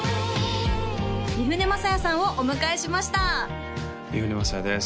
三船雅也さんをお迎えしました三船雅也です